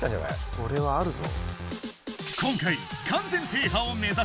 これはあるぞ。